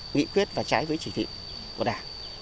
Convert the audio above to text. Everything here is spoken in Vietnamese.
nghị quyết và trái với chỉ thị của đảng